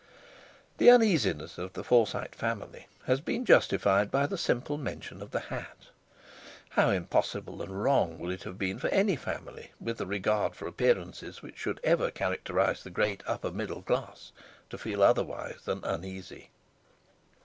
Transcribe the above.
The uneasiness of the Forsyte family has been justified by the simple mention of the hat. How impossible and wrong would it have been for any family, with the regard for appearances which should ever characterize the great upper middle class, to feel otherwise than uneasy!